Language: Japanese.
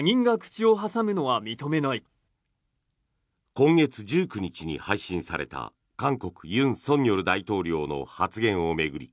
今月１９日に配信された韓国、尹錫悦大統領の発言を巡り